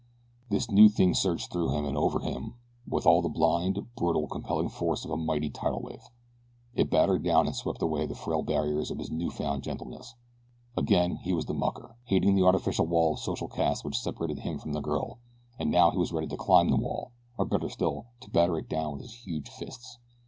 This new thing surged through him and over him with all the blind, brutal, compelling force of a mighty tidal wave. It battered down and swept away the frail barriers of his new found gentleness. Again he was the Mucker hating the artificial wall of social caste which separated him from this girl; but now he was ready to climb the wall, or, better still, to batter it down with his huge fists.